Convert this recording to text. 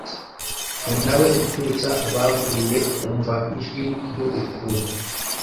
Ninawe ubyutsa abaguye umva ijwi ryugukunda